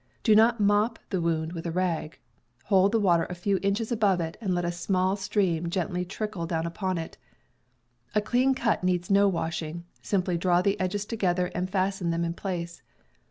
Do not mop the wound with a rag. Hold the water a few inches above it and let a small stream gently trickle down upon it. A clean cut needs no washing; simply draw the edges together and fasten them in place.